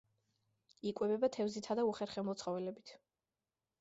იკვებება თევზითა და უხერხემლო ცხოველებით.